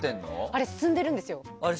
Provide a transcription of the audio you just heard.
あれ、進んでるんですよ。